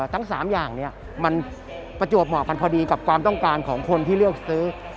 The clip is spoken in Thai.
ทั้ง๓อย่างมันประจวบเหมาะกันพอดีกับความต้องการของคนที่เลือกซื้อ